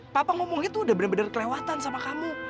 papa ngomongnya tuh udah bener bener kelewatan sama kamu